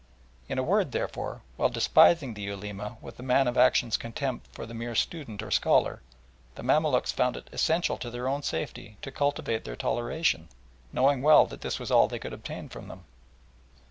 In a word, therefore, while despising the Ulema with the man of action's contempt for the mere student or scholar, the Mamaluks found it essential to their own safety to cultivate their toleration, knowing well that this was all they could obtain from them.